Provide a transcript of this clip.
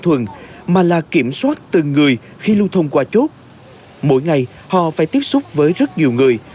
thuần mà là kiểm soát từng người khi lưu thông qua chốt mỗi ngày họ phải tiếp xúc với rất nhiều người